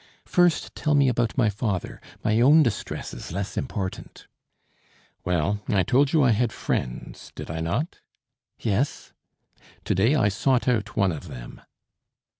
"First tell me about my father; my own distress is less important." "Well, I told you I had friends, did I not?" "Yes." "To day I sought out one of them."